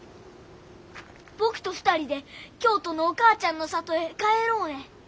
僕と２人で京都のお母ちゃんの里へ帰ろうえ。